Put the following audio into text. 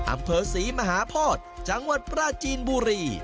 อำเภอศรีมหาโพธิจังหวัดปราจีนบุรี